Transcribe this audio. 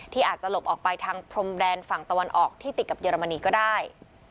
ที่อาจจะหลบออกไปทางพรมแดนฝั่งตะวันออกที่ติดกับเยอรมนีก็ได้